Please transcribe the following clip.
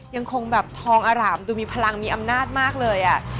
ยังคงแบบทองอร่ามดูมีพลังมีอำนาจมากเลย